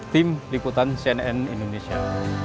tim liputan cnn indonesia